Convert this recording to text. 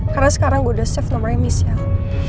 karena sekarang gue udah save nomernya michelle